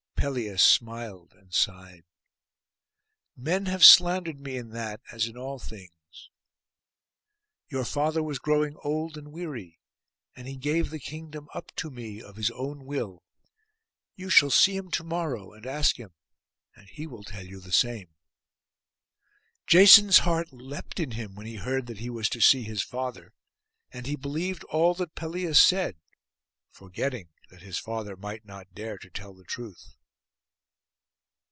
Pelias smiled, and sighed. 'Men have slandered me in that, as in all things. Your father was growing old and weary, and he gave the kingdom up to me of his own will. You shall see him to morrow, and ask him; and he will tell you the same.' Jason's heart leapt in him when he heard that he was to see his father; and he believed all that Pelias said, forgetting that his father might not dare to tell the truth.